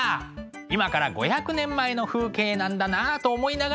今から５００年前の風景なんだなと思いながら見ていただきましょう。